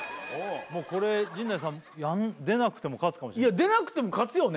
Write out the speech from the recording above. もうこれ陣内さん出なくても勝つかもしれない出なくても勝つよね